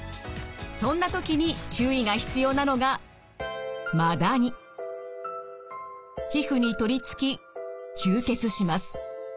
そんな時に注意が必要なのが皮膚に取りつき吸血します。